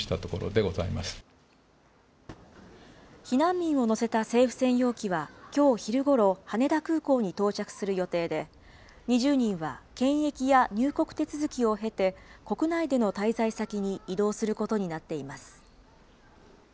避難民を乗せた政府専用機はきょう昼ごろ、羽田空港に到着する予定で、２０人は検疫や入国手続きを経て、国内での滞在先に移動することになっています。